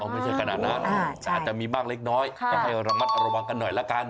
ไม่ใช่ขนาดนั้นอาจจะมีบ้างเล็กน้อยก็ให้ระมัดระวังกันหน่อยละกัน